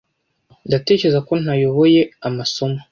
Ndatekereza ko ntayoboye amasomo.